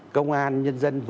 công an nhân dân